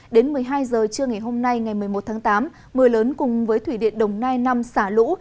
đến một mươi hai h trưa ngày hôm nay ngày một mươi một tháng tám mưa lớn cùng với thủy điện đồng nai năm xả lũ